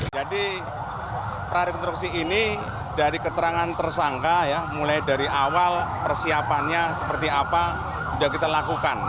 jadi pra rekonstruksi ini dari keterangan tersangka mulai dari awal persiapannya seperti apa sudah kita lakukan